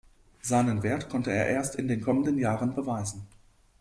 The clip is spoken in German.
Seinen Wert konnte er erst in den kommenden Jahren beweisen.